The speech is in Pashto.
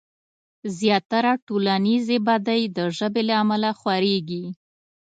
زياتره ټولنيزې بدۍ د ژبې له امله خورېږي.